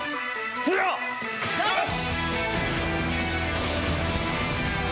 よし！